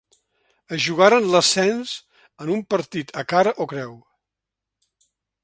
Es jugaren l'ascens en un partit a cara o creu.